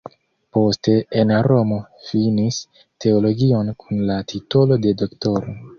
Poste en Romo finis teologion kun la titolo de doktoro.